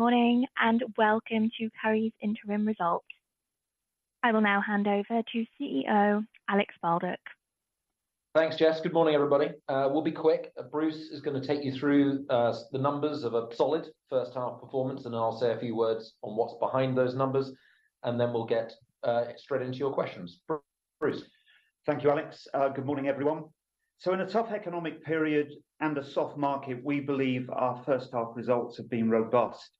Good morning, and welcome to Currys' interim results. I will now hand over to CEO, Alex Baldock. Thanks, Jess. Good morning, everybody. We'll be quick. Bruce is gonna take you through the numbers of a solid first half performance, and then I'll say a few words on what's behind those numbers, and then we'll get straight into your questions. Bruce? Thank you, Alex. Good morning, everyone. So in a tough economic period and a soft market, we believe our first half results have been robust.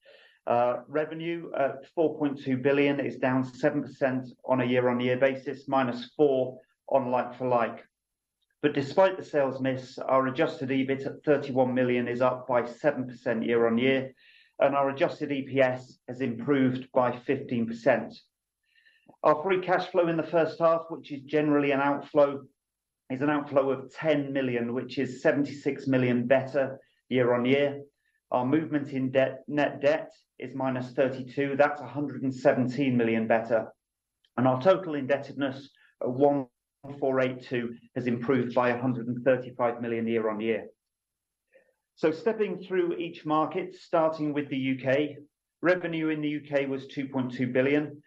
Revenue at 4.2 billion is down 7% on a year-on-year basis, -4 on like-for-like. But despite the sales miss, our adjusted EBIT at 31 million is up by 7% year-on-year, and our adjusted EPS has improved by 15%. Our free cash flow in the first half, which is generally an outflow, is an outflow of 10 million, which is 76 million better year-on-year. Our movement in debt, net debt is -32. That's 117 million better. And our total indebtedness at 1,482 million has improved by 135 million year-on-year. So stepping through each market, starting with the UK, revenue in the UK was 2.2 billion.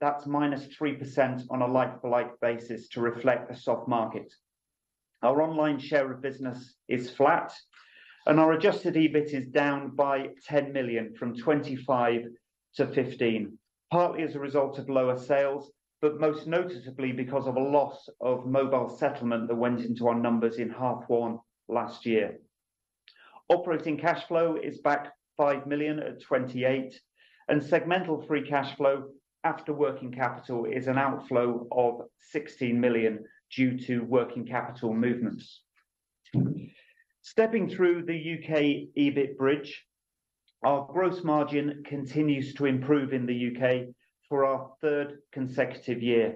That's -3% on a like-for-like basis to reflect a soft market. Our online share of business is flat, and our Adjusted EBIT is down by 10 million, from 25 million to 15 million, partly as a result of lower sales, but most noticeably because of a loss of mobile settlement that went into our numbers in half one last year. Operating cash flow is back 5 million at 28 million, and segmental free cash flow after working capital is an outflow of 16 million due to working capital movements. Stepping through the UK EBIT bridge, our gross margin continues to improve in the UK for our third consecutive year.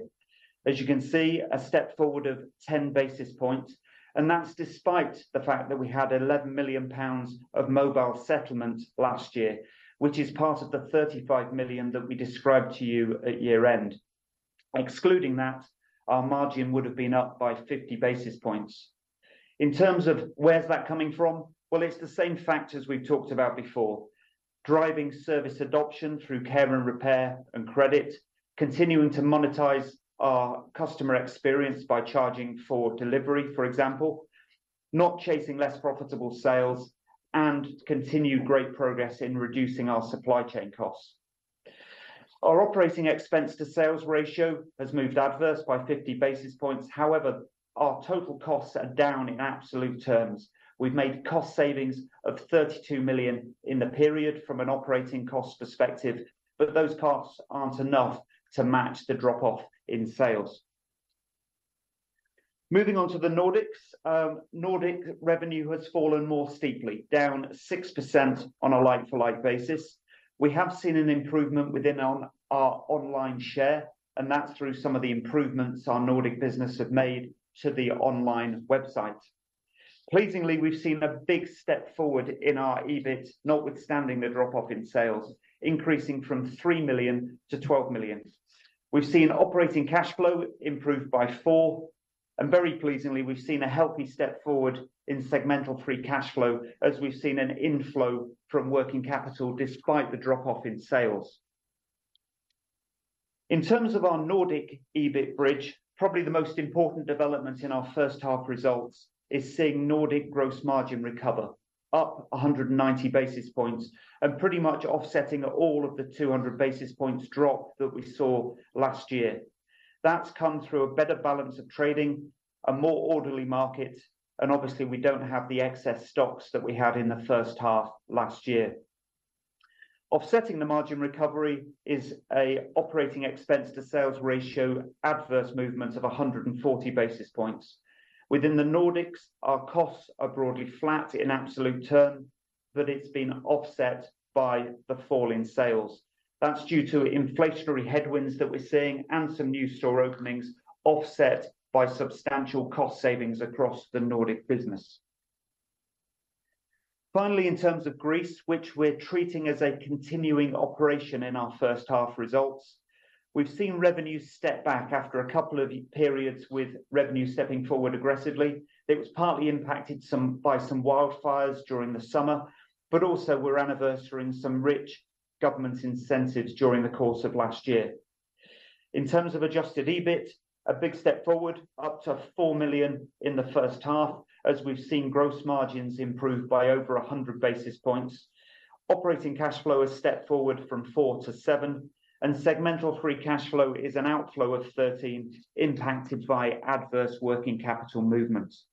As you can see, a step forward of 10 basis points, and that's despite the fact that we had 11 million pounds of mobile settlement last year, which is part of the 35 million that we described to you at year end. Excluding that, our margin would have been up by 50 basis points. In terms of where's that coming from, well, it's the same factors we've talked about before: driving service adoption through Care & Repair and credit, continuing to monetize our customer experience by charging for delivery, for example, not chasing less profitable sales, and continued great progress in reducing our supply chain costs. Our operating expense to sales ratio has moved adverse by 50 basis points. However, our total costs are down in absolute terms. We've made cost savings of 32 million in the period from an operating cost perspective, but those costs aren't enough to match the drop-off in sales. Moving on to the Nordics. Nordic revenue has fallen more steeply, down 6% on a like-for-like basis. We have seen an improvement within on our online share, and that's through some of the improvements our Nordic business have made to the online website. Pleasingly, we've seen a big step forward in our EBIT, notwithstanding the drop-off in sales, increasing from 3 million to 12 million. We've seen operating cash flow improve by 4 million, and very pleasingly, we've seen a healthy step forward in segmental free cash flow, as we've seen an inflow from working capital despite the drop-off in sales. In terms of our Nordic EBIT bridge, probably the most important development in our first half results is seeing Nordic gross margin recover, up 190 basis points, and pretty much offsetting all of the 200 basis points drop that we saw last year. That's come through a better balance of trading, a more orderly market, and obviously, we don't have the excess stocks that we had in the first half last year. Offsetting the margin recovery is an operating expense to sales ratio adverse movement of 140 basis points. Within the Nordics, our costs are broadly flat in absolute terms, but it's been offset by the fall in sales. That's due to inflationary headwinds that we're seeing and some new store openings, offset by substantial cost savings across the Nordic business. Finally, in terms of Greece, which we're treating as a continuing operation in our first half results, we've seen revenues step back after a couple of periods with revenue stepping forward aggressively. It was partly impacted by some wildfires during the summer, but also we're anniversarying some rich government incentives during the course of last year. In terms of Adjusted EBIT, a big step forward, up to 4 million in the first half, as we've seen gross margins improve by over 100 basis points. Operating cash flow has stepped forward from 4 million to 7 million, and segmental free cash flow is an outflow of 13 million, impacted by adverse working capital movements.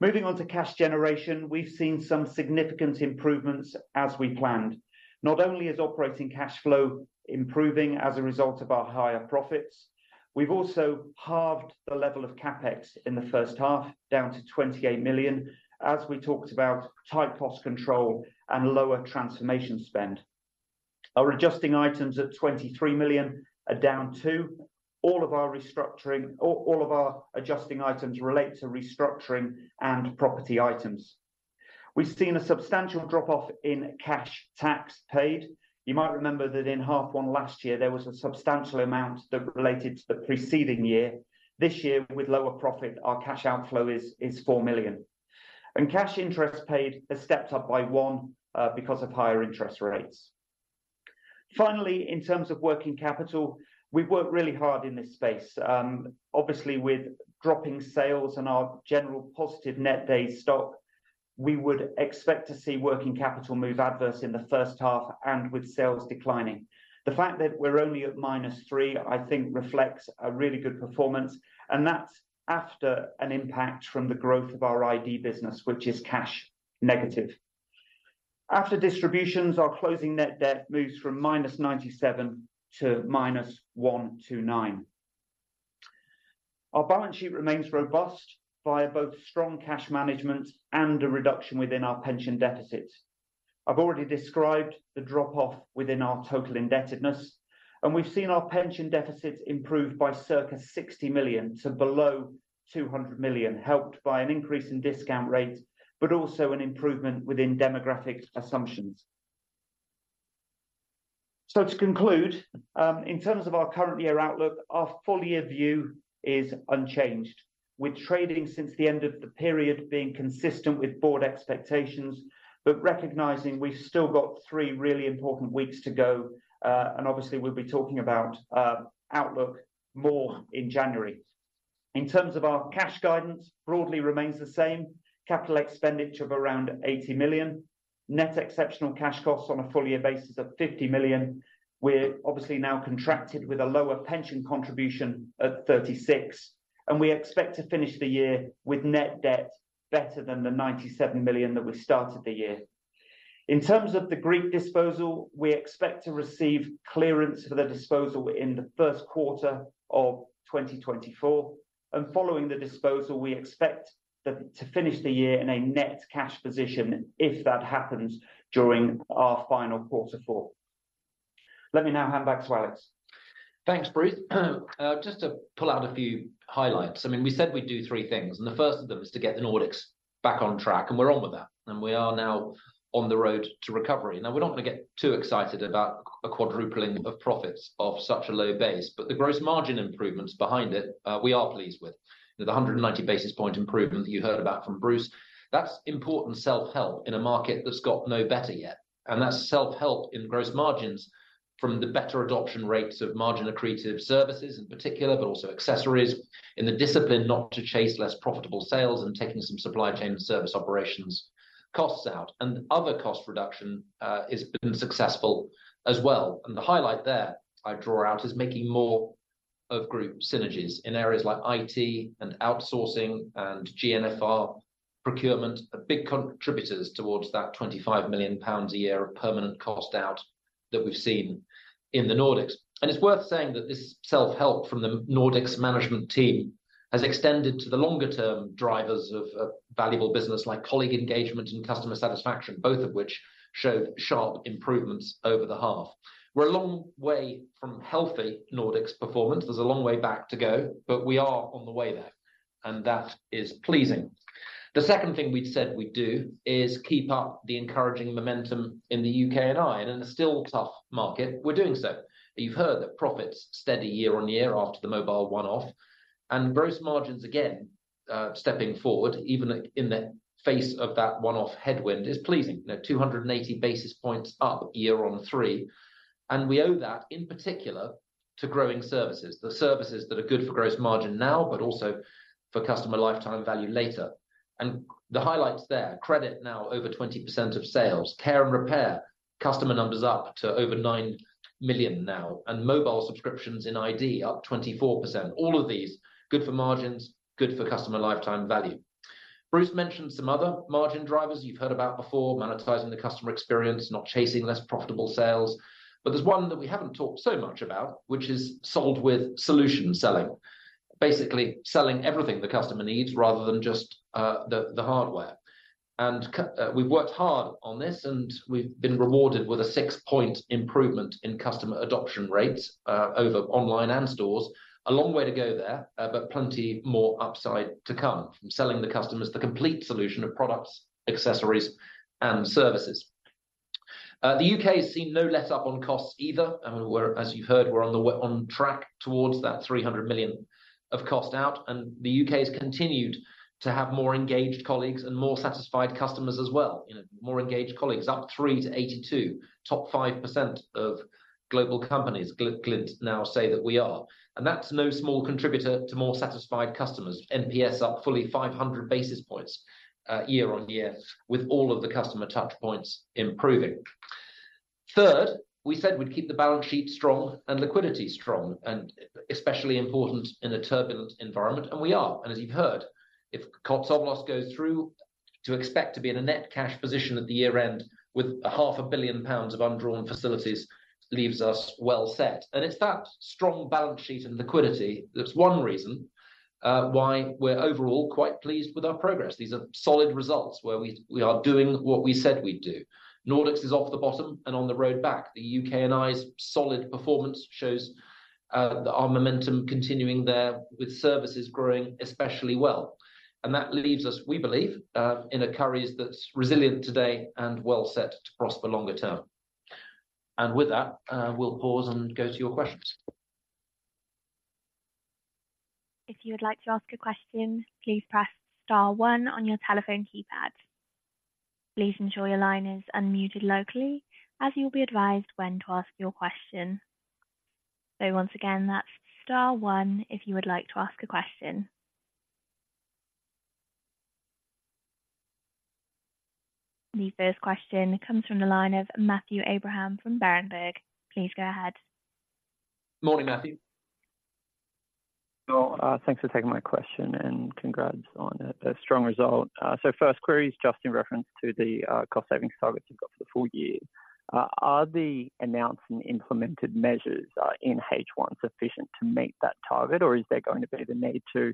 Moving on to cash generation, we've seen some significant improvements as we planned. Not only is operating cash flow improving as a result of our higher profits, we've also halved the level of CapEx in the first half, down to 28 million, as we talked about tight cost control and lower transformation spend. Our adjusted items at 23 million are down, too. All of our restructuring, or all of our adjusted items relate to restructuring and property items. We've seen a substantial drop-off in cash tax paid. You might remember that in half one last year, there was a substantial amount that related to the preceding year. This year, with lower profit, our cash outflow is 4 million. And cash interest paid has stepped up by 1 million because of higher interest rates. Finally, in terms of working capital, we've worked really hard in this space. Obviously, with dropping sales and our general positive net days stock, we would expect to see working capital move adverse in the first half and with sales declining. The fact that we're only at -3, I think, reflects a really good performance, and that's after an impact from the growth of our iD business, which is cash negative. After distributions, our closing net debt moves from -97 million to -129 million. Our balance sheet remains robust via both strong cash management and a reduction within our pension deficit. I've already described the drop-off within our total indebtedness, and we've seen our pension deficit improve by circa 60 million to below 200 million, helped by an increase in discount rate, but also an improvement within demographic assumptions. To conclude, in terms of our current year outlook, our full year view is unchanged, with trading since the end of the period being consistent with board expectations, but recognizing we've still got three really important weeks to go. Obviously, we'll be talking about outlook more in January. In terms of our cash guidance, broadly remains the same. Capital expenditure of around 80 million. Net exceptional cash costs on a full year basis of 50 million. We're obviously now contracted with a lower pension contribution of 36, and we expect to finish the year with net debt better than the 97 million that we started the year. In terms of the Greek disposal, we expect to receive clearance for the disposal within the first quarter of 2024, and following the disposal, we expect to finish the year in a net cash position if that happens during our final quarter four. Let me now hand back to Alex. Thanks, Bruce. Just to pull out a few highlights. I mean, we said we'd do three things, and the first of them is to get the Nordics back on track, and we're on with that, and we are now on the road to recovery. Now, we don't want to get too excited about a quadrupling of profits of such a low base, but the gross margin improvements behind it, we are pleased with. The 190 basis point improvement that you heard about from Bruce, that's important self-help in a market that's got no better yet, and that's self-help in gross margins from the better adoption rates of margin accretive services in particular, but also accessories in the discipline not to chase less profitable sales and taking some supply chain service operations costs out and other cost reduction, has been successful as well. And the highlight there I draw out is making more of group synergies in areas like IT and outsourcing and GNFR procurement are big contributors towards that 25 million pounds a year of permanent cost out that we've seen in the Nordics. And it's worth saying that this self-help from the Nordics management team has extended to the longer term drivers of valuable business, like colleague engagement and customer satisfaction, both of which show sharp improvements over the half. We're a long way from healthy Nordics performance. There's a long way back to go, but we are on the way there, and that is pleasing. The second thing we've said we'd do is keep up the encouraging momentum in the UK and Ireland, and in a still tough market, we're doing so. You've heard that profits steady year-on-year after the mobile one-off and gross margins again, stepping forward, even in the face of that one-off headwind, is pleasing. You know, 280 basis points up year-on-year, and we owe that in particular to growing services, the services that are good for gross margin now, but also for customer lifetime value later. And the highlights there, credit now over 20% of sales, Care & Repair, customer numbers up to over 9 million now, and mobile subscriptions in iD up 24%. All of these, good for margins, good for customer lifetime value. Bruce mentioned some other margin drivers you've heard about before, monetizing the customer experience, not chasing less profitable sales. But there's one that we haven't talked so much about, which is sold with solution selling. Basically, selling everything the customer needs rather than just the hardware. And we've worked hard on this, and we've been rewarded with a 6-point improvement in customer adoption rates over online and stores. A long way to go there, but plenty more upside to come from selling the customers the complete solution of products, accessories, and services. The UK has seen no letup on costs either, and we're, as you heard, on track towards that 300 million of cost out, and the UK's continued to have more engaged colleagues and more satisfied customers as well. You know, more engaged colleagues, up 3 to 82. Top 5% of global companies, Glint now say that we are, and that's no small contributor to more satisfied customers. NPS up fully 500 basis points year-on-year, with all of the customer touch points improving. Third, we said we'd keep the balance sheet strong and liquidity strong, and especially important in a turbulent environment, and we are. And as you've heard, if Kotsovolos goes through, to expect to be in a net cash position at the year-end with 500 million pounds of undrawn facilities leaves us well set. And it's that strong balance sheet and liquidity that's one reason why we're overall quite pleased with our progress. These are solid results where we, we are doing what we said we'd do. Nordics is off the bottom and on the road back. The UK and Ireland's solid performance shows our momentum continuing there, with services growing especially well. That leaves us, we believe, in a Currys that's resilient today and well set to prosper longer term. With that, we'll pause and go to your questions.... If you would like to ask a question, please press star one on your telephone keypad. Please ensure your line is unmuted locally, as you'll be advised when to ask your question. So once again, that's star one if you would like to ask a question. The first question comes from the line of Matthew Abraham from Berenberg. Please go ahead. Morning, Matthew. Well, thanks for taking my question, and congrats on a strong result. So first query is just in reference to the cost savings targets you've got for the full year. Are the announced and implemented measures in H1 sufficient to meet that target? Or is there going to be the need to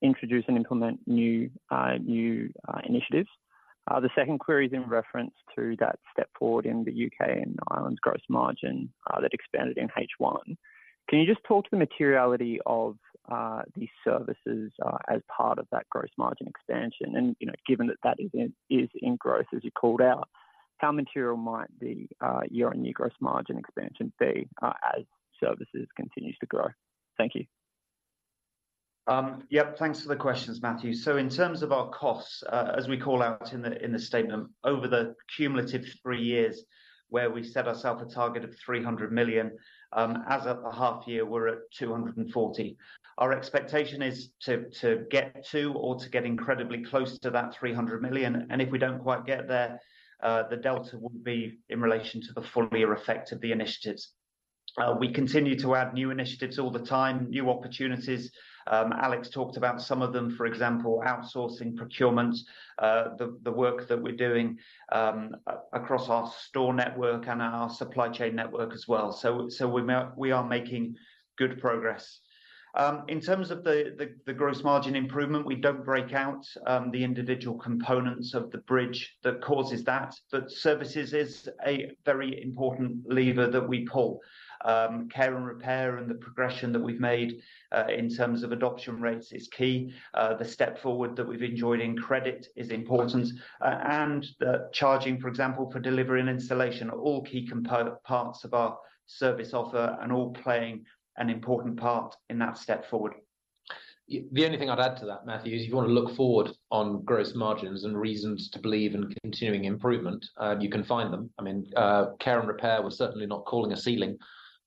introduce and implement new initiatives? The second query is in reference to that step forward in the UK and Ireland's gross margin that expanded in H1. Can you just talk to the materiality of these services as part of that gross margin expansion? And, you know, given that that is in, is in growth, as you called out, how material might the year-on-year gross margin expansion be as services continues to grow? Thank you. Yep, thanks for the questions, Matthew. So in terms of our costs, as we call out in the statement, over the cumulative three years where we set ourself a target of 300 million, as of the half year, we're at 240 million. Our expectation is to get to or get incredibly close to that 300 million, and if we don't quite get there, the delta would be in relation to the full year effect of the initiatives. We continue to add new initiatives all the time, new opportunities. Alex talked about some of them, for example, outsourcing procurement, the work that we're doing across our store network and our supply chain network as well. So, we're making good progress. In terms of the gross margin improvement, we don't break out the individual components of the bridge that causes that, but services is a very important lever that we pull. Care and repair and the progression that we've made in terms of adoption rates is key. The step forward that we've enjoyed in credit is important. And the charging, for example, for delivery and installation are all key component parts of our service offer and all playing an important part in that step forward. The only thing I'd add to that, Matthew, is you want to look forward on gross margins and reasons to believe in continuing improvement, you can find them. I mean, care and repair, we're certainly not calling a ceiling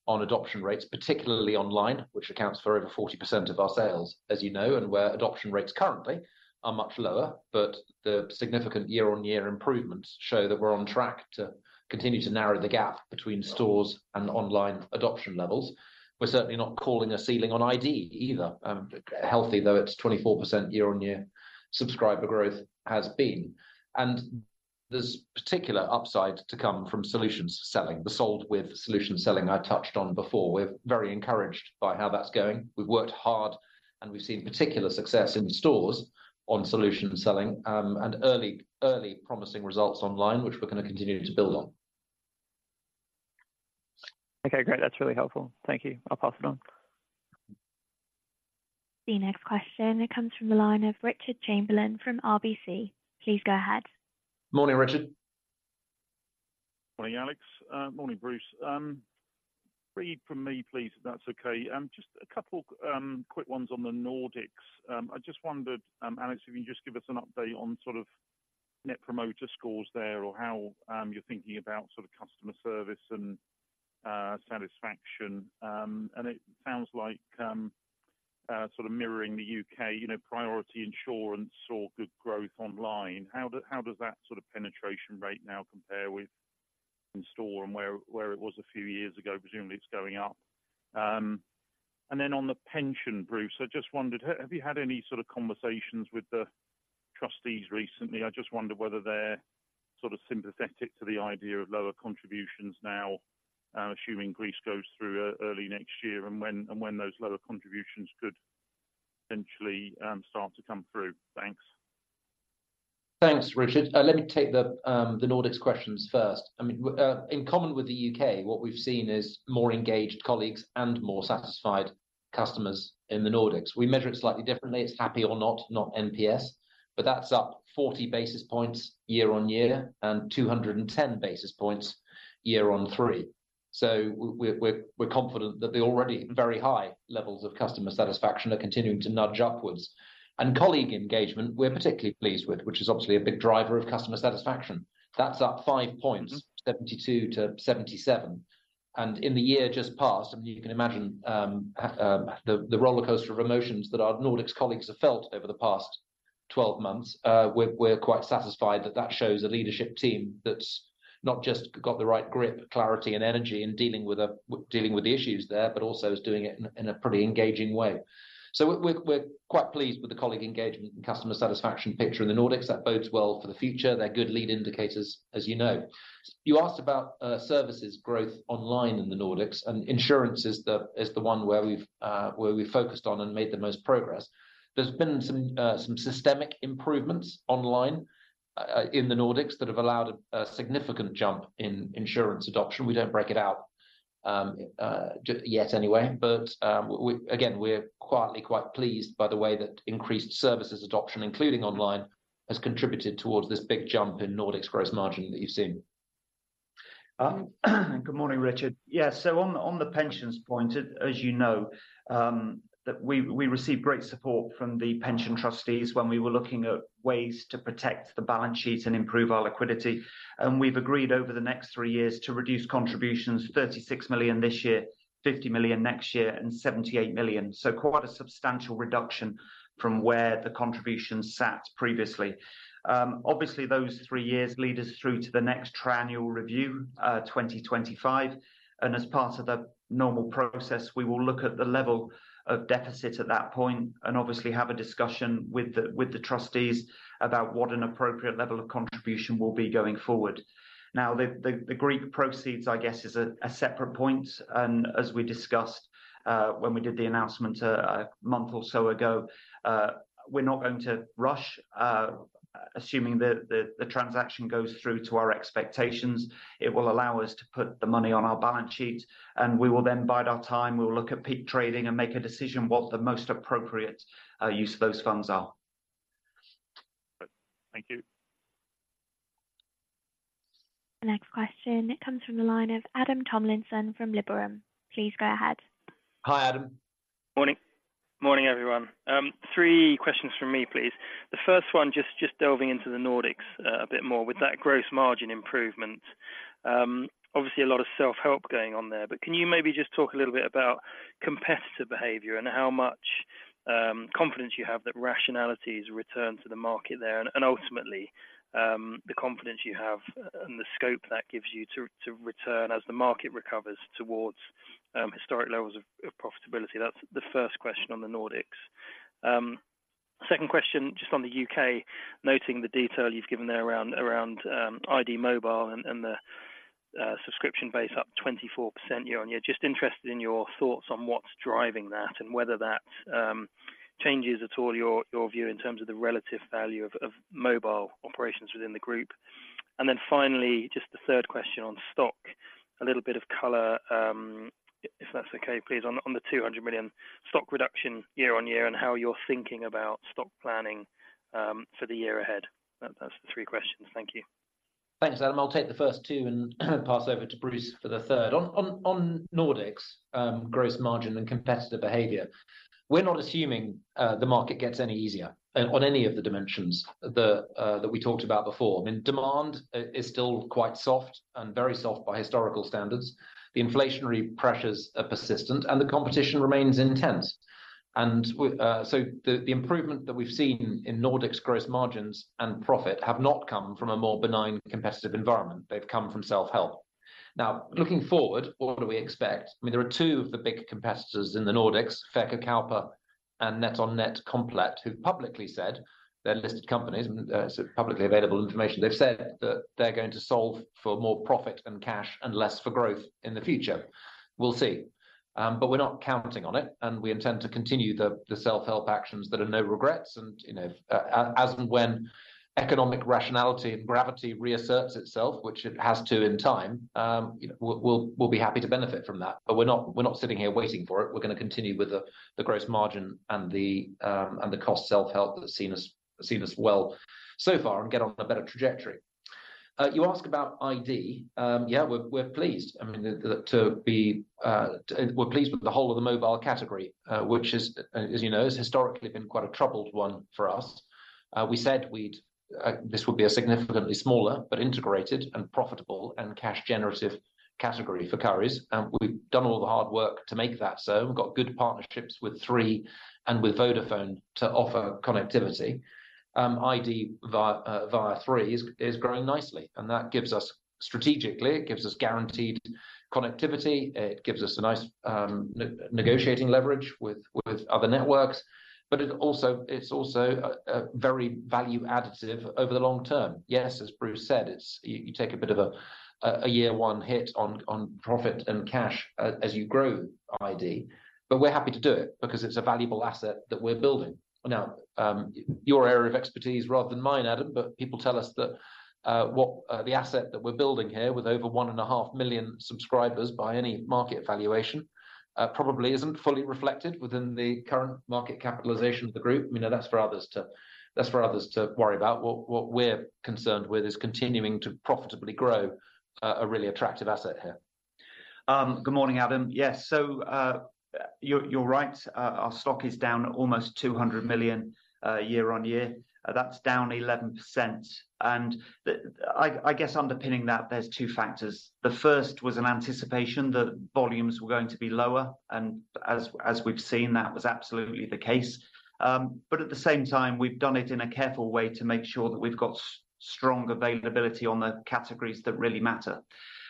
on adoption rates, particularly online, which accounts for over 40% of our sales, as you know, and where adoption rates currently are much lower. But the significant year-on-year improvements show that we're on track to continue to narrow the gap between stores and online adoption levels. We're certainly not calling a ceiling on iD, either, healthy, though it's 24% year-on-year subscriber growth has been. And there's particular upside to come from solutions selling. The sold with solution selling I touched on before. We're very encouraged by how that's going. We've worked hard, and we've seen particular success in stores on solution selling, and early, early promising results online, which we're going to continue to build on. Okay, great. That's really helpful. Thank you. I'll pass it on. The next question comes from the line of Richard Chamberlain from RBC. Please go ahead. Morning, Richard. Morning, Alex. Morning, Bruce. A question from me, please, if that's okay. Just a couple quick ones on the Nordics. I just wondered, Alex, if you can just give us an update on sort of net promoter scores there, or how you're thinking about sort of customer service and satisfaction. And it sounds like sort of mirroring the UK, you know, priority insurance or good growth online. How does that sort of penetration rate now compare with in-store and where it was a few years ago? Presumably, it's going up. And then on the pension, Bruce, I just wondered, have you had any sort of conversations with the trustees recently? I just wonder whether they're sort of sympathetic to the idea of lower contributions now, assuming Greece goes through early next year, and when those lower contributions could eventually start to come through. Thanks. Thanks, Richard. Let me take the Nordics questions first. I mean, in common with the UK, what we've seen is more engaged colleagues and more satisfied customers in the Nordics. We measure it slightly differently. It's HappyOrNot, not NPS, but that's up 40 basis points year-on-year, and 210 basis points, year-on-three. So we're confident that the already very high levels of customer satisfaction are continuing to nudge upwards. And colleague engagement, we're particularly pleased with, which is obviously a big driver of customer satisfaction. That's up 5 points, 72-77. In the year just passed, and you can imagine, the rollercoaster of emotions that our Nordics colleagues have felt over the past 12 months, we're quite satisfied that that shows a leadership team that's not just got the right grip, clarity, and energy in dealing with the issues there, but also is doing it in a pretty engaging way. So we're quite pleased with the colleague engagement and customer satisfaction picture in the Nordics. That bodes well for the future. They're good lead indicators, as you know. You asked about services growth online in the Nordics, and insurance is the one where we've focused on and made the most progress. There's been some systemic improvements online in the Nordics that have allowed a significant jump in insurance adoption. We don't break it out yet anyway, but we again, we're quietly quite pleased by the way that increased services adoption, including online, has contributed towards this big jump in Nordics gross margin that you've seen.... Good morning, Richard. Yeah, so on the pensions point, as you know, that we received great support from the pension trustees when we were looking at ways to protect the balance sheet and improve our liquidity. And we've agreed over the next three years to reduce contributions, 36 million this year, 50 million next year, and 78 million. So quite a substantial reduction from where the contribution sat previously. Obviously, those three years lead us through to the next triennial review, 2025, and as part of the normal process, we will look at the level of deficit at that point, and obviously have a discussion with the trustees about what an appropriate level of contribution will be going forward. Now, the Greek proceeds, I guess, is a separate point, and as we discussed, when we did the announcement a month or so ago, we're not going to rush. Assuming the transaction goes through to our expectations, it will allow us to put the money on our balance sheet, and we will then bide our time. We'll look at peak trading and make a decision what the most appropriate use of those funds are. Thank you. The next question, it comes from the line of Adam Tomlinson from Liberum. Please go ahead. Hi, Adam. Morning. Morning, everyone. Three questions from me, please. The first one, just, just delving into the Nordics a bit more. With that gross margin improvement, obviously a lot of self-help going on there, but can you maybe just talk a little bit about competitor behavior and how much confidence you have that rationality has returned to the market there, and, and ultimately, the confidence you have and the scope that gives you to, to return as the market recovers towards historic levels of profitability? That's the first question on the Nordics. Second question, just on the UK, noting the detail you've given there around, around iD Mobile and, and the subscription base up 24% year-on-year. Just interested in your thoughts on what's driving that and whether that changes at all your view in terms of the relative value of mobile operations within the group. And then finally, just the third question on stock. A little bit of color, if that's okay, please, on the 200 million stock reduction year-on-year and how you're thinking about stock planning for the year ahead. That's the three questions. Thank you. Thanks, Adam. I'll take the first two and pass over to Bruce for the third. On Nordics, gross margin and competitor behavior, we're not assuming the market gets any easier on any of the dimensions that we talked about before. I mean, demand is still quite soft and very soft by historical standards. The inflationary pressures are persistent, and the competition remains intense. So the improvement that we've seen in Nordics gross margins and profit have not come from a more benign competitive environment. They've come from self-help. Now, looking forward, what do we expect? I mean, there are two of the big competitors in the Nordics, Kesko, NetOnNet, and Komplett, who've publicly said... They're listed companies, and so publicly available information. They've said that they're going to solve for more profit and cash and less for growth in the future. We'll see. But we're not counting on it, and we intend to continue the self-help actions that are no regrets. And, you know, as and when economic rationality and gravity reasserts itself, which it has to in time, we'll be happy to benefit from that. But we're not sitting here waiting for it. We're gonna continue with the gross margin and the cost self-help that's seen us well so far and get on a better trajectory. You asked about iD. Yeah, we're pleased. I mean, we're pleased with the whole of the mobile category, which is, as you know, has historically been quite a troubled one for us. We said we'd this would be a significantly smaller but integrated and profitable and cash-generative category for Currys, and we've done all the hard work to make that so. We've got good partnerships with Three and with Vodafone to offer connectivity. iD via Three is growing nicely, and that gives us... Strategically, it gives us guaranteed connectivity. It gives us a nice negotiating leverage with other networks, but it's also a very value additive over the long term. Yes, as Bruce said, it's you take a bit of a year one hit on profit and cash as you grow iD, but we're happy to do it because it's a valuable asset that we're building. Now, your area of expertise rather than mine, Adam, but people tell us that what the asset that we're building here, with over 1.5 million subscribers, by any market valuation, probably isn't fully reflected within the current market capitalization of the group. You know, that's for others to worry about. What we're concerned with is continuing to profitably grow a really attractive asset here. Good morning, Adam. Yes, so you're right, our stock is down almost 200 million year-over-year. That's down 11%, and I guess underpinning that, there's two factors. The first was an anticipation that volumes were going to be lower, and as we've seen, that was absolutely the case. But at the same time, we've done it in a careful way to make sure that we've got strong availability on the categories that really matter.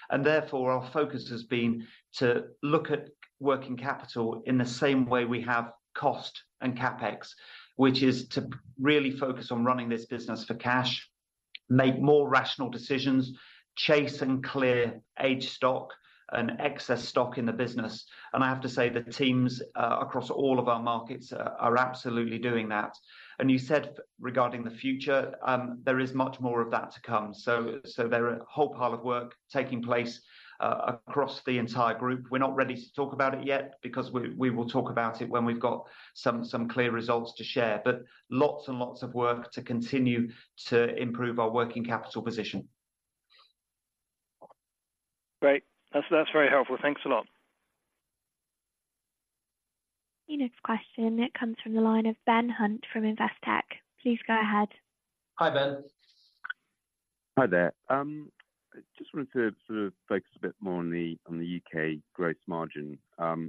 And therefore, our focus has been to look at working capital in the same way we have cost and CapEx, which is to really focus on running this business for cash, make more rational decisions, chase and clear aged stock and excess stock in the business. And I have to say, the teams across all of our markets are absolutely doing that. You said regarding the future, there is much more of that to come, so there are a whole pile of work taking place across the entire group. We're not ready to talk about it yet, because we will talk about it when we've got some clear results to share, but lots and lots of work to continue to improve our working capital position. Great. That's, that's very helpful. Thanks a lot. The next question, it comes from the line of Ben Hunt from Investec. Please go ahead. Hi, Ben. Hi there. I just wanted to sort of focus a bit more on the UK gross margin.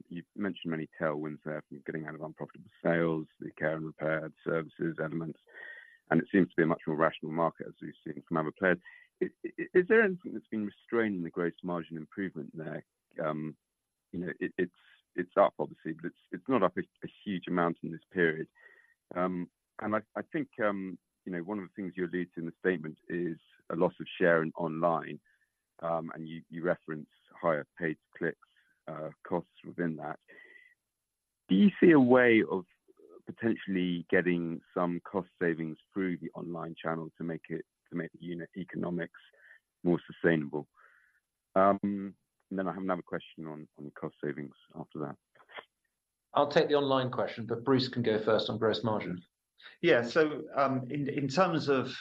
You've mentioned many tailwinds there from getting out of unprofitable sales, the Care & Repair services elements, and it seems to be a much more rational market, as we've seen from other players. Is there anything that's been restraining the gross margin improvement there? You know, it's up obviously, but it's not up a huge amount in this period. And I think, you know, one of the things you allude to in the statement is a loss of share in online, and you reference higher paid clicks costs within that. Do you see a way of potentially getting some cost savings through the online channel to make the unit economics more sustainable? Then I have another question on cost savings after that. I'll take the online question, but Bruce can go first on gross margin. Yeah. So, in terms of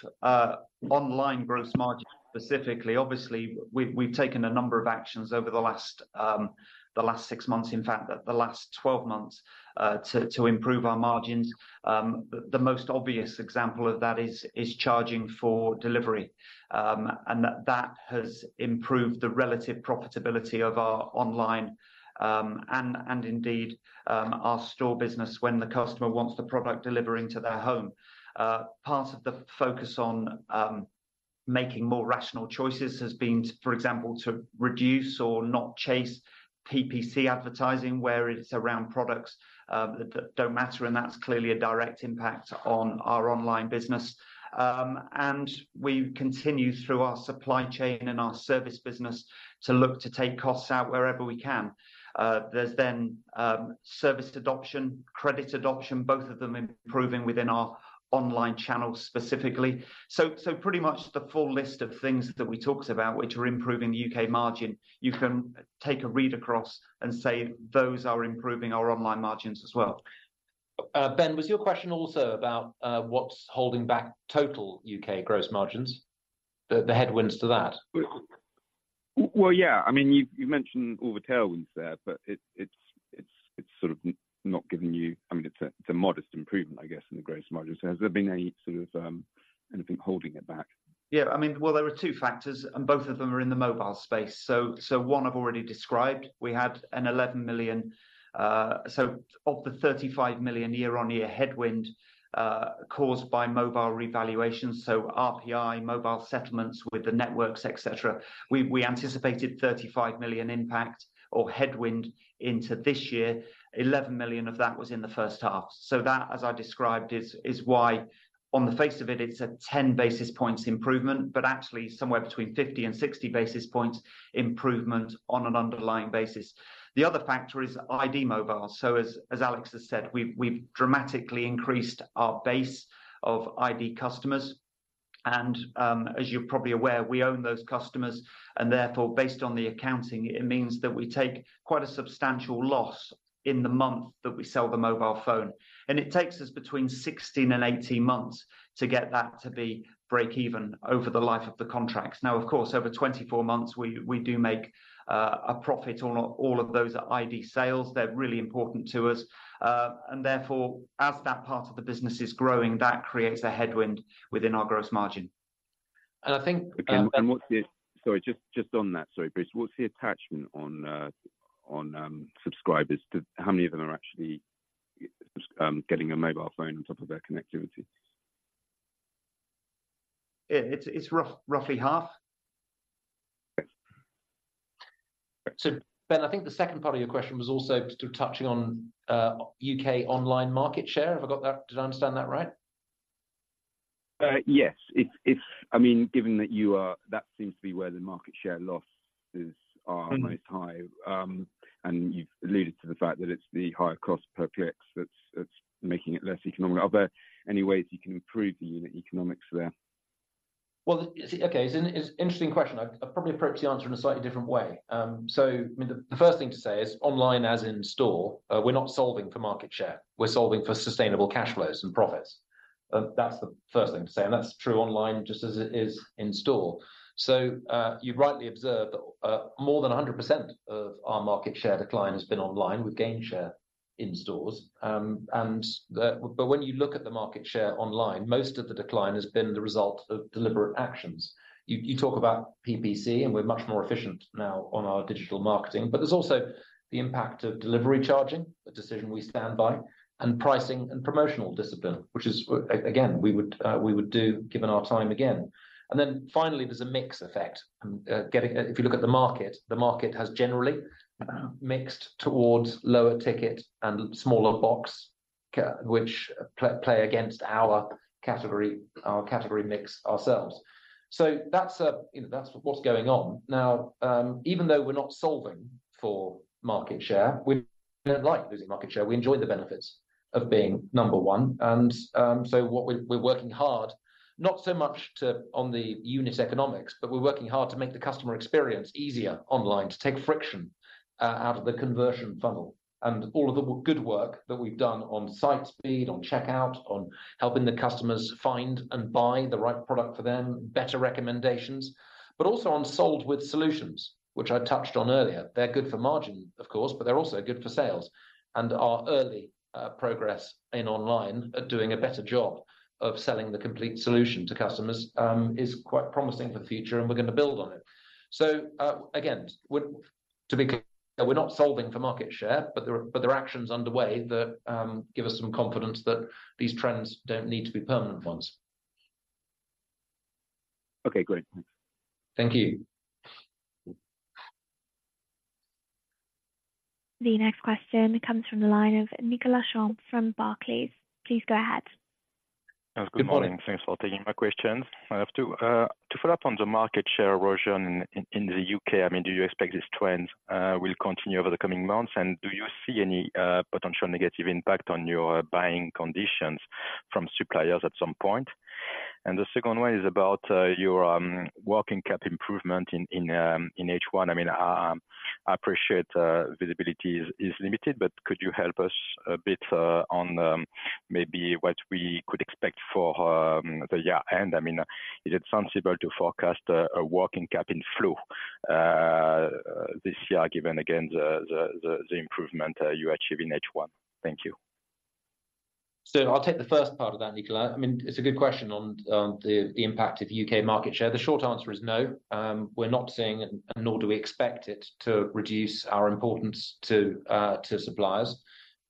online gross margin specifically, obviously, we've taken a number of actions over the last six months, in fact, the last 12 months, to improve our margins. The most obvious example of that is charging for delivery. And that has improved the relative profitability of our online and indeed our store business when the customer wants the product delivering to their home. Part of the focus on making more rational choices has been, for example, to reduce or not chase PPC advertising, where it's around products that don't matter, and that's clearly a direct impact on our online business. We continue through our supply chain and our service business to look to take costs out wherever we can. There's then service adoption, credit adoption, both of them improving within our online channels specifically. So pretty much the full list of things that we talked about, which are improving the UK margin, you can take a read across and say, those are improving our online margins as well. Ben, was your question also about what's holding back total UK gross margins, the headwinds to that? Well, yeah. I mean, you've mentioned all the tailwinds there, but it's sort of not giving you... I mean, it's a modest improvement, I guess, in the gross margins. Has there been any sort of anything holding it back? Yeah, I mean, well, there are two factors, and both of them are in the mobile space. So, so one I've already described. We had a 11 million, so of the 35 million year-on-year headwind, caused by mobile revaluation, so RPI, mobile settlements with the networks, et cetera. We, we anticipated 35 million impact or headwind into this year, 11 million of that was in the first half. So that, as I described, is, is why on the face of it, it's a 10 basis points improvement, but actually somewhere between 50 and 60 basis points improvement on an underlying basis. The other factor is iD Mobile. So as Alex has said, we've dramatically increased our base of iD customers, and as you're probably aware, we own those customers, and therefore, based on the accounting, it means that we take quite a substantial loss in the month that we sell the mobile phone. And it takes us between 16 and 18 months to get that to be break even over the life of the contracts. Now, of course, over 24 months, we do make a profit on all of those iD sales. They're really important to us. And therefore, as that part of the business is growing, that creates a headwind within our gross margin. And I think, and- Sorry, just on that. Sorry, Bruce. What's the attachment on subscribers to how many of them are actually getting a mobile phone on top of their connectivity? Yeah, it's roughly half. Okay. So, Ben, I think the second part of your question was also sort of touching on UK online market share. Have I got that, did I understand that right? Yes. It's, I mean, given that you are, that seems to be where the market share losses are most high. Mm-hmm. And you've alluded to the fact that it's the higher cost per clicks that's making it less economical. Are there any ways you can improve the unit economics there? Well, it's an interesting question. I'll probably approach the answer in a slightly different way. So I mean, the first thing to say is online, as in-store, we're not solving for market share. We're solving for sustainable cash flows and profits. That's the first thing to say, and that's true online, just as it is in-store. So, you've rightly observed, more than 100% of our market share decline has been online. We've gained share in stores. And, but when you look at the market share online, most of the decline has been the result of deliberate actions. You, you talk about PPC, and we're much more efficient now on our digital marketing, but there's also the impact of delivery charging, a decision we stand by, and pricing and promotional discipline, which is, again, we would do, given our time again. And then finally, there's a mix effect. Getting... If you look at the market, the market has generally mixed towards lower ticket and smaller box-... which play against our category, our category mix ourselves. So that's, you know, that's what's going on. Now, even though we're not solving for market share, we don't like losing market share. We enjoy the benefits of being number one, and so what we're working hard, not so much to, on the unit economics, but we're working hard to make the customer experience easier online, to take friction out of the conversion funnel. And all of the good work that we've done on site speed, on checkout, on helping the customers find and buy the right product for them, better recommendations, but also on sold with solutions, which I touched on earlier. They're good for margin, of course, but they're also good for sales. Our early progress in online at doing a better job of selling the complete solution to customers is quite promising for the future, and we're going to build on it. Again, to be clear, we're not solving for market share, but there are, but there are actions underway that give us some confidence that these trends don't need to be permanent ones. Okay, great. Thank you. The next question comes from the line of Nicolas Sherwood from Barclays. Please go ahead. Good morning. Thanks for taking my questions. I have two. To follow up on the market share erosion in the UK, I mean, do you expect this trend will continue over the coming months? And do you see any potential negative impact on your buying conditions from suppliers at some point? And the second one is about your working cap improvement in H1. I mean, I appreciate visibility is limited, but could you help us a bit on maybe what we could expect for the year end? I mean, is it sensible to forecast a working cap in flow this year, given again, the improvement you achieved in H1? Thank you. So I'll take the first part of that, Nicolas. I mean, it's a good question on the impact of UK market share. The short answer is no. We're not seeing, and nor do we expect it to reduce our importance to suppliers.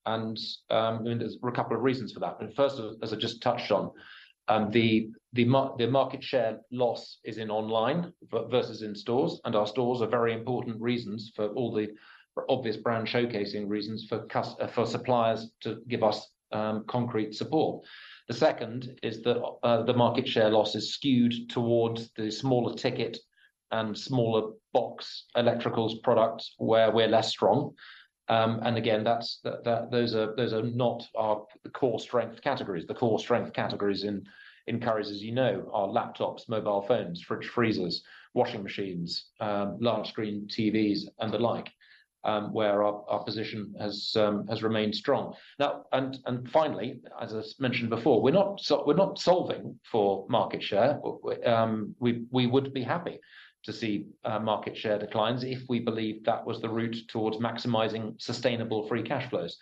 And there's a couple of reasons for that. But first, as I just touched on, the market share loss is in online versus in stores, and our stores are very important reasons for all the obvious brand showcasing reasons for suppliers to give us concrete support. The second is that the market share loss is skewed towards the smaller ticket and smaller box electricals products where we're less strong. And again, that's, those are not our core strength categories. The core strength categories in Currys, as you know, are laptops, mobile phones, fridge, freezers, washing machines, large screen TVs, and the like, where our position has remained strong. Now, finally, as I mentioned before, we're not solving for market share, but we would be happy to see market share declines if we believe that was the route towards maximizing sustainable free cash flows.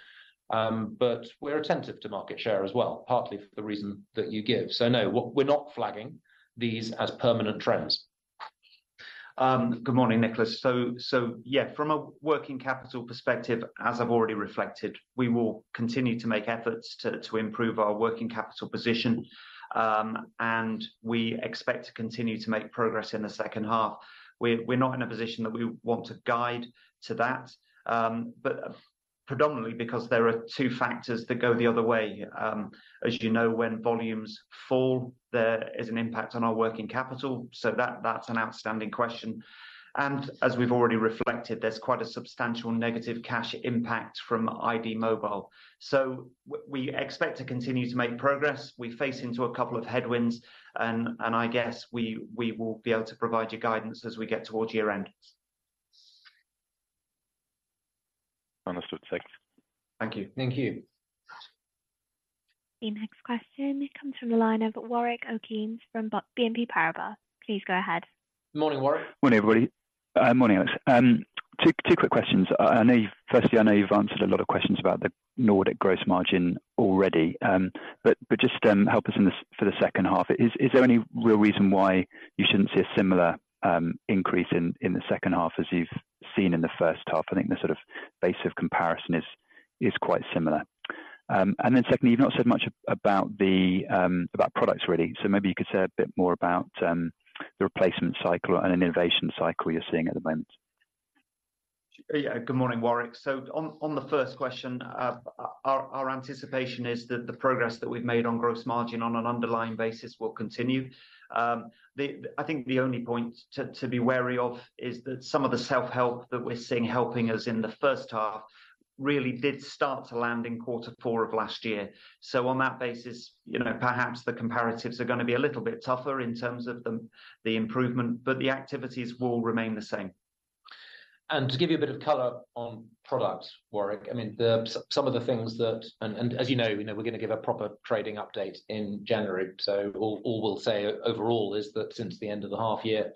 But we're attentive to market share as well, partly for the reason that you give. So no, we're not flagging these as permanent trends. Good morning, Nicolas. Yeah, from a working capital perspective, as I've already reflected, we will continue to make efforts to improve our working capital position. And we expect to continue to make progress in the second half. We're not in a position that we want to guide to that, but predominantly because there are two factors that go the other way. As you know, when volumes fall, there is an impact on our working capital, so that's an outstanding question. And as we've already reflected, there's quite a substantial negative cash impact from iD Mobile. So we expect to continue to make progress. We face into a couple of headwinds, and I guess we will be able to provide you guidance as we get towards year end. Understood. Thanks. Thank you. Thank you. The next question comes from the line of Warwick Okines from B- BNP Paribas. Please go ahead. Morning, Warwick. Morning, everybody. Morning, guys. Two quick questions. Firstly, I know you've answered a lot of questions about the Nordic gross margin already, but just help us in this for the second half. Is there any real reason why you shouldn't see a similar increase in the second half as you've seen in the first half? I think the sort of base of comparison is quite similar. And then secondly, you've not said much about the products, really. So maybe you could say a bit more about the replacement cycle and innovation cycle you're seeing at the moment. Yeah. Good morning, Warwick. So on, on the first question, our, our anticipation is that the progress that we've made on gross margin on an underlying basis will continue. I think the only point to, to be wary of is that some of the self-help that we're seeing helping us in the first half really did start to land in quarter four of last year. So on that basis, you know, perhaps the comparatives are going to be a little bit tougher in terms of the, the improvement, but the activities will remain the same. To give you a bit of color on products, Warwick, I mean, some of the things that... As you know, you know, we're going to give a proper trading update in January, so all we'll say overall is that since the end of the half year,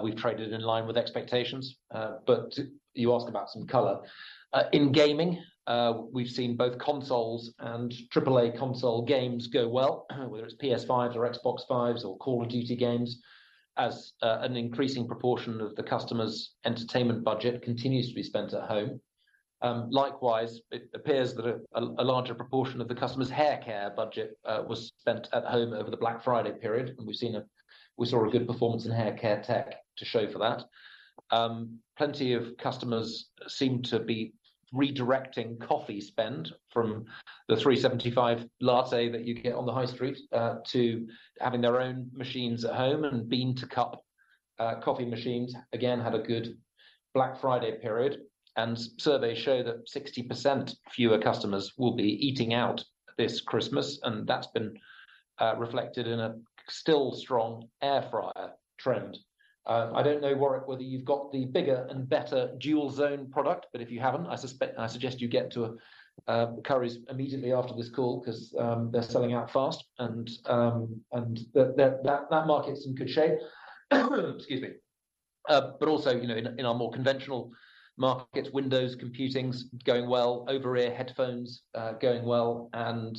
we've traded in line with expectations. But you asked about some color. In gaming, we've seen both consoles and triple A console games go well, whether it's PS5 or Xbox Series X or Call of Duty games, as an increasing proportion of the customers' entertainment budget continues to be spent at home. Likewise, it appears that a larger proportion of the customers' hair care budget was spent at home over the Black Friday period, and we saw a good performance in hair care tech to show for that. Plenty of customers seem to be redirecting coffee spend from the 3.75 latte that you get on the high street to having their own machines at home, and bean-to-cup coffee machines, again, had a good Black Friday period. Surveys show that 60% fewer customers will be eating out this Christmas, and that's been reflected in a still strong air fryer trend. I don't know, Warwick, whether you've got the bigger and better dual zone product, but if you haven't, I suggest you get to Currys immediately after this call 'cause they're selling out fast. And that market's in good shape. Excuse me. But also, you know, in our more conventional markets, Windows, computing's going well, over-ear headphones going well, and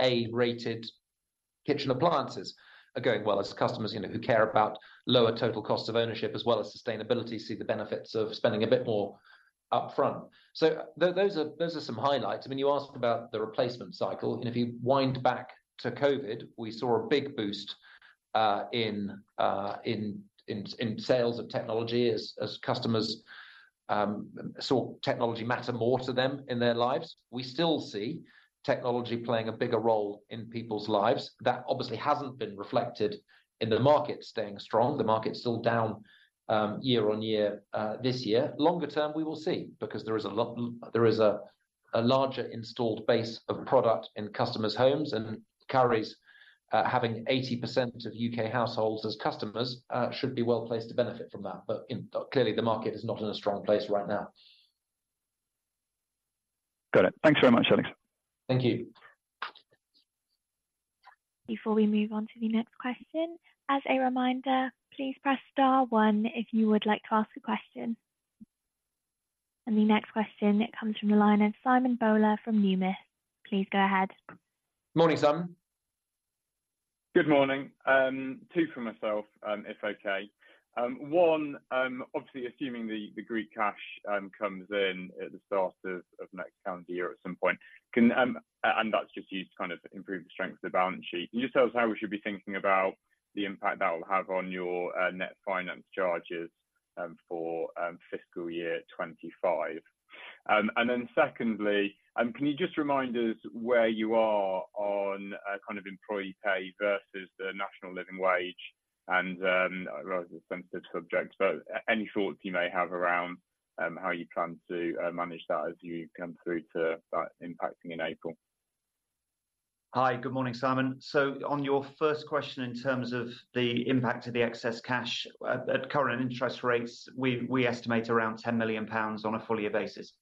A-rated kitchen appliances are going well as customers, you know, who care about lower total cost of ownership as well as sustainability, see the benefits of spending a bit more upfront. So those are some highlights. I mean, you asked about the replacement cycle, and if you wind back to COViD, we saw a big boost in sales of technology as customers saw technology matter more to them in their lives. We still see technology playing a bigger role in people's lives. That obviously hasn't been reflected in the market staying strong. The market's still down year on year this year. Longer term, we will see, because there is a larger installed base of product in customers' homes, and Currys, having 80% of UK households as customers, should be well placed to benefit from that. But, you know, clearly the market is not in a strong place right now. Got it. Thanks very much, Alex. Thank you. Before we move on to the next question, as a reminder, please press star one if you would like to ask a question. The next question comes from the line of Simon Bowler from Numis. Please go ahead. Morning, Simon. Good morning. Two for myself, if okay. One, obviously assuming the Greek cash comes in at the start of next calendar year at some point, can, and that's just used to kind of improve the strength of the balance sheet. Can you just tell us how we should be thinking about the impact that will have on your net finance charges for fiscal year 25? And then secondly, can you just remind us where you are on kind of employee pay versus the national living wage and... I know it's a sensitive subject, but any thoughts you may have around how you plan to manage that as you come through to that impacting in April? Hi. Good morning, Simon. So on your first question, in terms of the impact of the excess cash, at current interest rates, we estimate around 10 million pounds on a full year basis.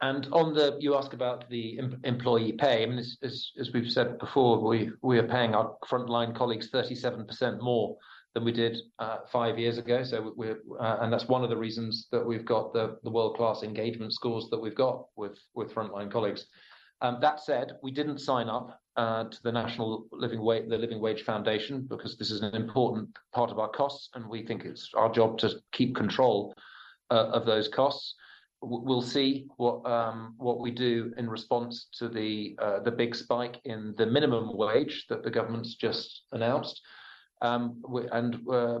And on the, you ask about the employee pay, I mean, as we've said before, we are paying our frontline colleagues 37% more than we did five years ago. So we, and that's one of the reasons that we've got the world-class engagement scores that we've got with frontline colleagues. That said, we didn't sign up to the National Living Wage, the Living Wage Foundation, because this is an important part of our costs, and we think it's our job to keep control of those costs. We'll see what we do in response to the big spike in the minimum wage that the government's just announced. And,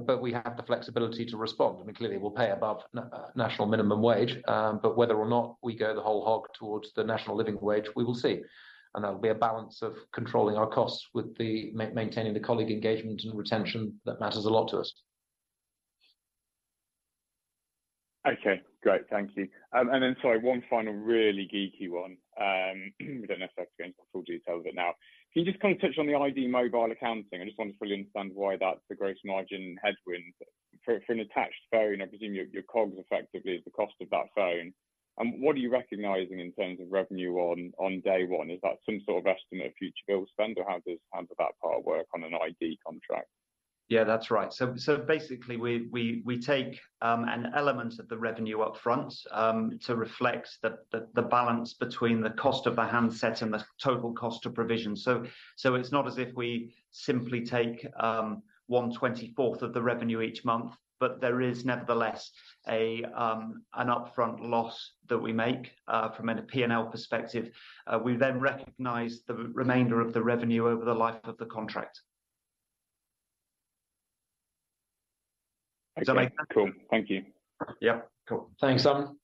but we have the flexibility to respond, and clearly, we'll pay above national minimum wage. But whether or not we go the whole hog towards the national living wage, we will see, and that'll be a balance of controlling our costs with maintaining the colleague engagement and retention that matters a lot to us. Okay, great. Thank you. And then, sorry, one final really geeky one. We don't necessarily have to go into full detail of it now. Can you just kind of touch on the iD Mobile accounting? I just want to fully understand why that's the gross margin headwind. For an attached phone, I presume your cogs effectively is the cost of that phone. And what are you recognizing in terms of revenue on day one? Is that some sort of estimate of future bill spend, or how does that part work on an iD contract? Yeah, that's right. So basically, we take an element of the revenue up front to reflect the balance between the cost of the handset and the total cost of provision. So it's not as if we simply take 1/24th of the revenue each month, but there is nevertheless an upfront loss that we make from a P&L perspective. We then recognize the remainder of the revenue over the life of the contract. Okay. Does that make- Cool. Thank you. Yep, cool. Thanks, Simon.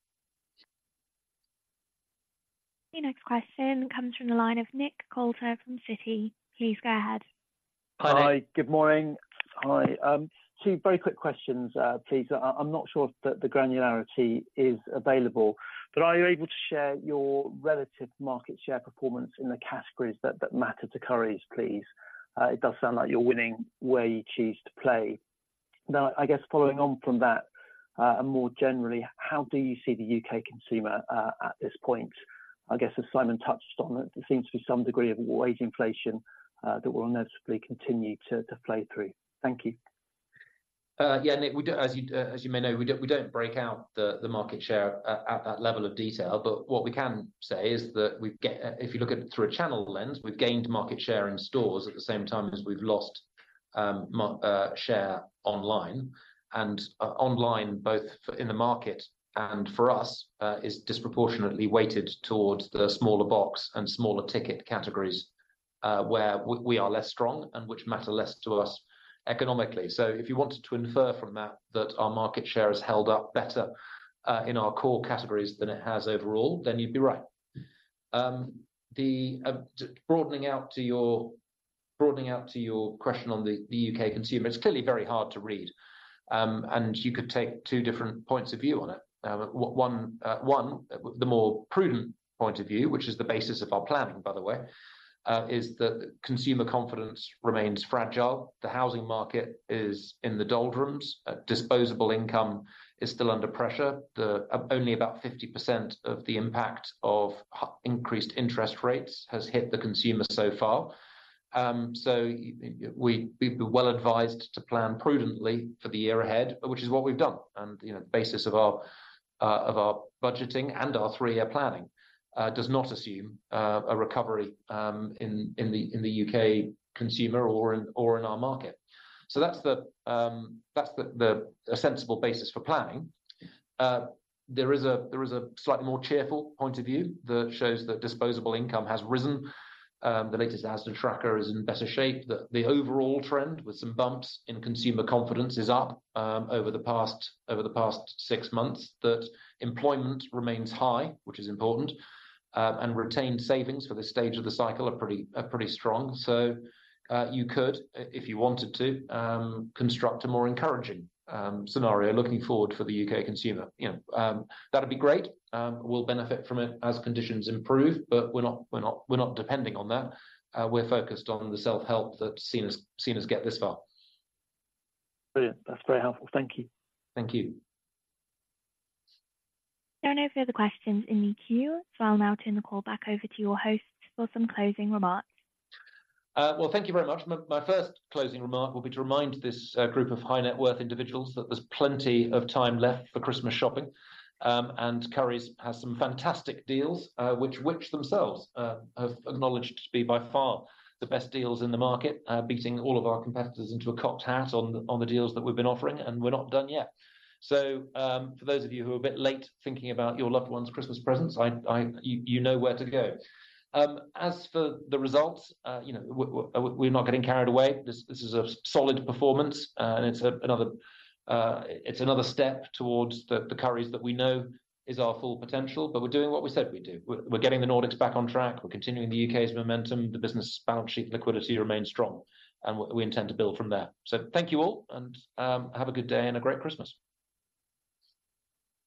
The next question comes from the line of Nick Coulter from Citi. Please go ahead. Hi. Good morning. Hi, two very quick questions, please. I'm not sure if the granularity is available, but are you able to share your relative market share performance in the categories that matter to Currys, please? It does sound like you're winning where you choose to play. Now, I guess following on from that, and more generally, how do you see the UK consumer at this point? I guess as Simon touched on it, there seems to be some degree of wage inflation that will necessarily continue to play through. Thank you. Yeah, Nick, we do, as you may know, we don't break out the market share at that level of detail, but what we can say is, if you look at it through a channel lens, we've gained market share in stores at the same time as we've lost share online. And online, both in the market and for us, is disproportionately weighted towards the smaller box and smaller ticket categories, where we are less strong and which matter less to us economically. So if you wanted to infer from that, that our market share has held up better in our core categories than it has overall, then you'd be right. Broadening out to your question on the U.K. consumer, it's clearly very hard to read, and you could take two different points of view on it. One, the more prudent point of view, which is the basis of our planning, by the way, is that consumer confidence remains fragile. The housing market is in the doldrums. Disposable income is still under pressure. The only about 50% of the impact of increased interest rates has hit the consumer so far. So we'd be well advised to plan prudently for the year ahead, which is what we've done. You know, the basis of our budgeting and our three-year planning does not assume a recovery in the U.K. consumer or in our market. So that's a sensible basis for planning. There is a slightly more cheerful point of view that shows that disposable income has risen. The latest Asda tracker is in better shape, that the overall trend, with some bumps in consumer confidence, is up over the past six months. That employment remains high, which is important, and retained savings for this stage of the cycle are pretty strong. So you could, if you wanted to, construct a more encouraging scenario looking forward for the UK consumer. You know, that'd be great. We'll benefit from it as conditions improve, but we're not depending on that. We're focused on the self-help that's seen us get this far. Brilliant. That's very helpful. Thank you. Thank you. There are no further questions in the queue, so I'll now turn the call back over to your host for some closing remarks. Well, thank you very much. My first closing remark will be to remind this group of high net worth individuals that there's plenty of time left for Christmas shopping. And Currys has some fantastic deals, which themselves have acknowledged to be by far the best deals in the market, beating all of our competitors into a cocked hat on the deals that we've been offering, and we're not done yet. So, for those of you who are a bit late thinking about your loved ones' Christmas presents, I, you know where to go. As for the results, you know, we're not getting carried away. This is a solid performance, and it's another step towards the Currys that we know is our full potential, but we're doing what we said we'd do. We're getting the Nordics back on track. We're continuing the UK's momentum. The business balance sheet liquidity remains strong, and we intend to build from there. So thank you all, and have a good day and a great Christmas.